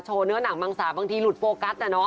โชว์เนื้อหนังมังสาบบางทีหลุดโฟกัสน่ะเนอะ